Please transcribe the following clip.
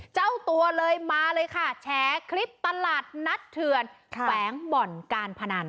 เจ้าตัวเลยมาเลยค่ะแฉคลิปตลาดนัดเถื่อนแขวงบ่อนการพนัน